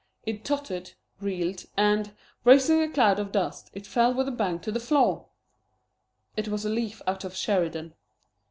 It tottered, reeled, and, raising a cloud of dust, it fell with a bang to the floor! It was a leaf out of Sheridan.